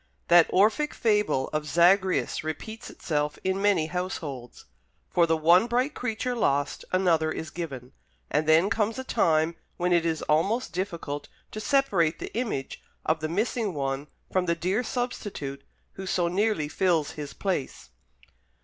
That Orphic fable of Zagreus repeats itself in many households. For the one bright creature lost another is given; and then comes a time when it is almost difficult to separate the image of the missing one from the dear substitute who so nearly fills his place.